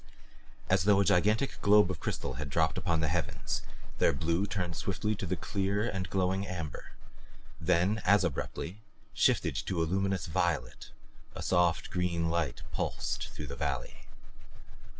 As though a gigantic globe of crystal had dropped upon the heavens, their blue turned swiftly to a clear and glowing amber then as abruptly shifted to a luminous violet A soft green light pulsed through the valley.